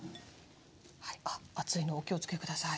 あっ熱いのお気をつけ下さい。